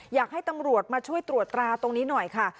อยากให้ตำรวจมาช่วยตรวจตราตรงนี้หน่อยค่ะ